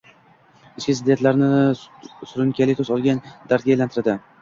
ichki ziddiyatni surunkali tus olgan dardga aylantiradi.